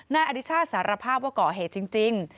อดิชาติสารภาพว่าก่อเหตุจริง